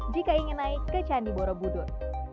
jika ingin naik ke candi borobudur